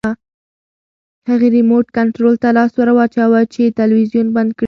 هغې ریموټ کنټرول ته لاس ورواچاوه چې تلویزیون بند کړي.